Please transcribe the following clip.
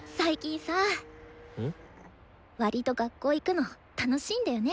わりと学校行くの楽しいんだよね。